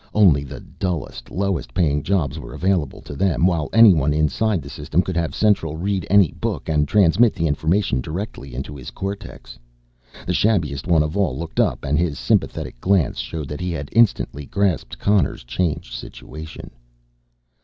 Only the dullest, lowest paying jobs were available to them while anyone inside the System could have Central read any book and transmit the information directly into his cortex. The shabbiest one of all looked up and his sympathetic glance showed that he had instantly grasped Connor's changed situation.